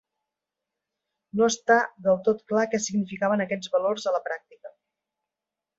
No està del tot clar què significaven aquests valors a la pràctica.